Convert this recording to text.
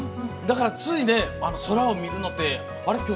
だから、ついね空を見るのってあれ？